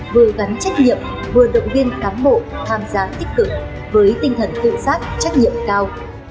vừa gắn trách nhiệm vừa động viên cám bộ tham giá tích cực với tinh thần tự xác trách nhiệm cao